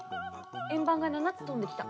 円盤が７つ飛んできた。